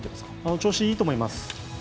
調子いいと思います。